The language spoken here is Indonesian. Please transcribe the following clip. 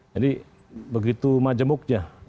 jadi begitu majemuknya